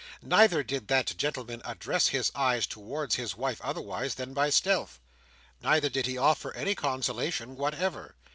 Neither did that gentleman address his eyes towards his wife otherwise than by stealth. Neither did he offer any consolation whatever.